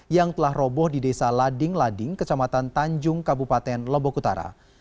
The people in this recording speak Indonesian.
yang telah roboh di desa lading lading kecamatan tanjung kabupaten lombok utara